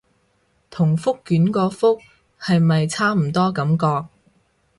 同覆卷個覆係咪差唔多感覺